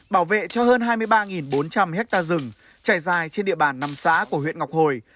bảo vệ cho hơn hai mươi ba bốn trăm linh hectare rừng trải dài trên địa bàn năm xã của huyện ngọc hồi